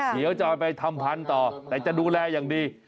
เดี๋ยวจะเอาไปทำพันธุ์ต่อแต่จะดูแลอย่างดี